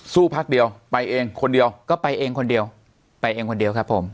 พักเดียวไปเองคนเดียวก็ไปเองคนเดียวไปเองคนเดียวครับผม